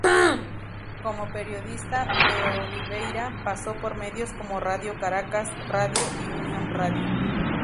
Como periodista, De Oliveira pasó por medios como Radio Caracas Radio y Unión Radio.